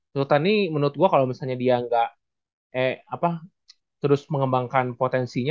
sultan ini menurut gue kalau misalnya dia gak terus mengembangkan potensinya